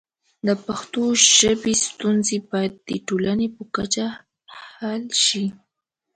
د پښتو ژبې ستونزې باید د ټولنې په کچه حل شي.